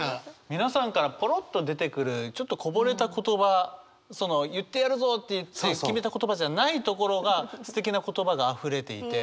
皆さんからぽろっと出てくるちょっとこぼれた言葉言ってやるぞって言って決めた言葉じゃないところがすてきな言葉があふれていて。